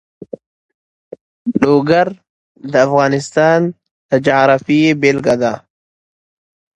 لوگر د افغانستان د جغرافیې بېلګه ده.